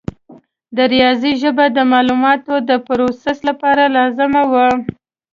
د ریاضي ژبه د معلوماتو د پروسس لپاره لازمه وه.